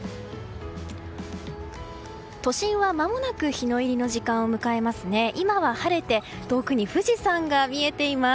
都心はまもなく日の入りの時間を迎えます。